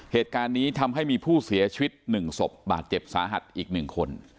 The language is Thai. เหตุการณ์นี้ทำให้มีผู้เสียชีวิต๑ศพบาดเจ็บสาหัสอีก๑คน